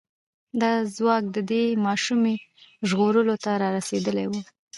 دا ځواک د دې ماشومې ژغورلو ته را رسېدلی و.